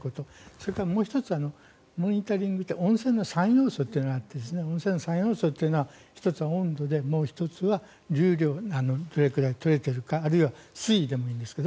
それから、もう１つはモニタリングって温泉の３要素というのがあって１つは温度で、もう２つは重量どれくらい取れてるかあるいは水位でもいいんですが。